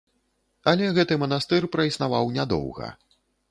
Але гэты манастыр праіснаваў нядоўга.